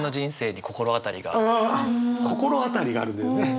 ああ心当たりがあるんだよね。